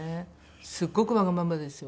すごくわがままですよ。